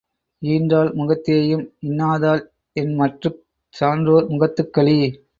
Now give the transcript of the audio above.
ஈன்றாள் முகத்தேயும் இன்னாதால் என்மற்றுக் சான்றோர் முகத்துக் களி?